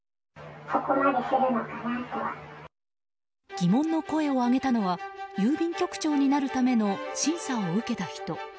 疑問の声を上げたのは郵便局長になるための審査を受けた人。